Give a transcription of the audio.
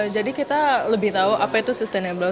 jadi kita lebih tahu apa itu sustainable